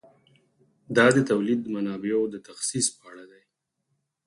دا د تولیدي منابعو د تخصیص په اړه دی.